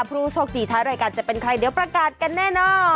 ผู้โชคดีท้ายรายการจะเป็นใครเดี๋ยวประกาศกันแน่นอน